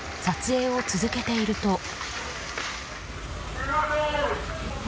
撮影を続けていると。